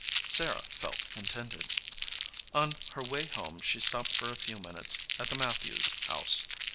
Sarah felt contented. On her way home she stopped for a few minutes at the Matthews house.